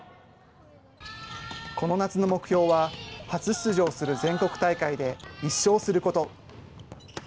この夏の目標は初出場する全国大会で１勝すること。